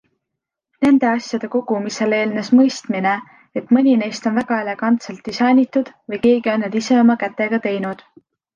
Nende asjade kogumisele eelnes mõistmine, et mõni neist on väga elegantselt disainitud või keegi on need ise oma kätega teinud.